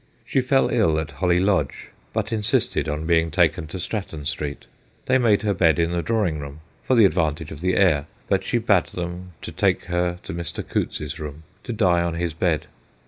She fell ill at Holly Lodge, but insisted on being taken to Stratton Street. They made her bed in the drawing room, for the advantage of the air, but she bade them take her to Mr. Coutts's room, to die on his bed.